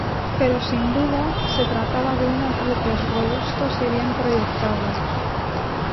Pero sin duda, se trataba de unos buques robustos y bien proyectados.